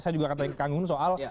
saya juga akan tanya ke kang hun soal